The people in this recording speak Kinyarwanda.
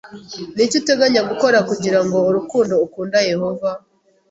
Ni iki uteganya gukora kugira ngo urukundo ukunda Yehova